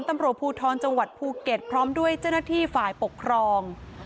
ตำรวจภูทรจังหวัดภูเก็ตพร้อมด้วยเจ้าหน้าที่ฝ่ายปกครอง